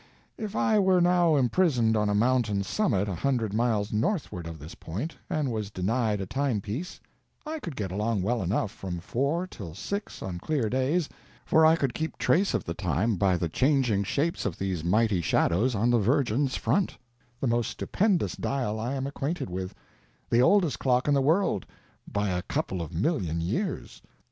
If I were now imprisoned on a mountain summit a hundred miles northward of this point, and was denied a timepiece, I could get along well enough from four till six on clear days, for I could keep trace of the time by the changing shapes of these mighty shadows on the Virgin's front, the most stupendous dial I am acquainted with, the oldest clock in the world by a couple of million years.